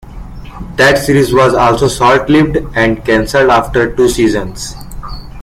That series was also short-lived and cancelled after two seasons.